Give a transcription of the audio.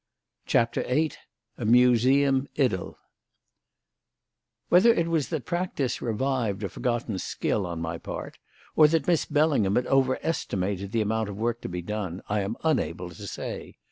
CHAPTER VIII A MUSEUM IDYLL Whether it was that practice revived a forgotten skill on my part, or that Miss Bellingham had over estimated the amount of work to be done, I am unable to say.